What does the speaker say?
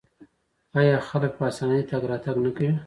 آیا خلک په اسانۍ تګ راتګ نه کوي؟